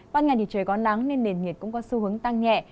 ban ngày thì trời có nắng nên nền nhiệt cũng có xu hướng tăng nhẹ